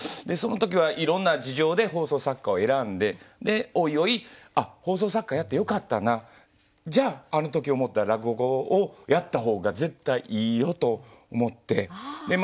でその時はいろんな事情で放送作家を選んででおいおいあっ放送作家やってよかったなじゃああの時思った落語をやった方が絶対いいよと思って。